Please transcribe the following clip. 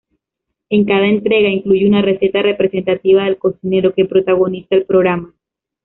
En cada entrega incluye una receta representativa del cocinero que protagoniza el programa.